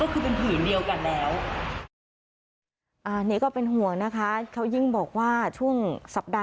คืออันนี้เวลาเรามอนิเตอร์มอนิเตอร์แบบเหมือนตลอด๒๔ชั่วโมงเลยค่ะ